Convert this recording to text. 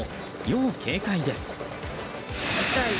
要警戒です。